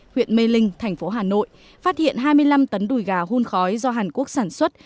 quang minh huyện mê linh tp hcm phát hiện hai mươi năm tấn đùi gà hôn khói do hàn quốc sản xuất